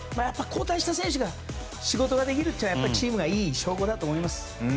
やっぱり交代した選手が仕事ができるというのがやっぱりチームがいい証拠だと思います。